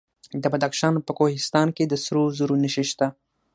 د بدخشان په کوهستان کې د سرو زرو نښې شته.